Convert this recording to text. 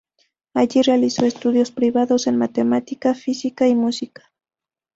Allí, realizó estudios privados en matemática, física, y música.